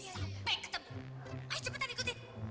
sampai ketemu ayo cepetan ikutin